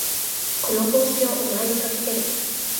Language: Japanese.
この帽子をお前に預ける。